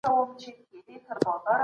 عدال ت کول ټولنه روغه ساتي.